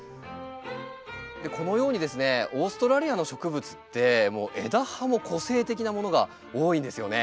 このようにですねオーストラリアの植物ってもう枝葉も個性的なものが多いんですよね。